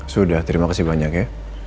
sudah terima kasih banyak ya